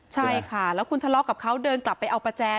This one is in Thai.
ใช่ค่ะแล้วคุณทะเลาะกับเขาเดินกลับไปเอาประแจ